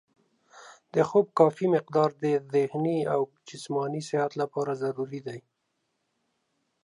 د خوب کافي مقدار د ذهني او جسماني صحت لپاره ضروري دی.